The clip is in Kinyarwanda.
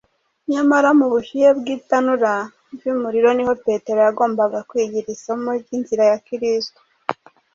nyamara mu bushyuhe bw’itanura ry’umuriro niho petero yagombaga kwigira isomo ry’inzira ya kristo.